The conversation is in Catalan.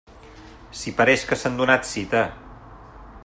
Si pareix que s'han donat cita!